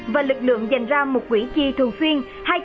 và lực lượng dành ra một quỹ chi thường xuyên